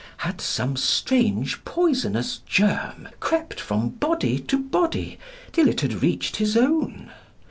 Had some strange poisonous germ crept from body to body till it had reached his own?